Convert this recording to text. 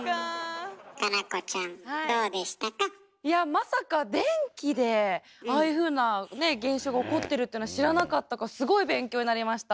まさか電気でああいうふうな現象が起こってるっていうのは知らなかったからすごい勉強になりました。